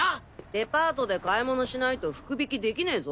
デパートで買い物しないと福引できねぞ。